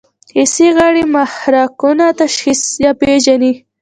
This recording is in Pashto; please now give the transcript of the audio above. حسي غړي محرکونه تشخیص یا پېژني.